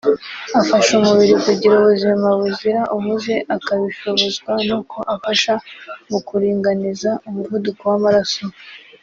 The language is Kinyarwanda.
Afasha umubiri kugira ubuzima buzira umuze akabishobozwa nuko afasha mu kuringaniza umuvuduko w’amaraso